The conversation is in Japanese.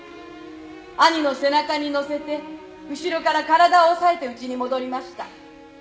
「兄の背中に乗せて後ろから体を押さえて家に戻りました」